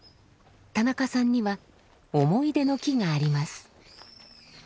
田中さんには思い出の木があります。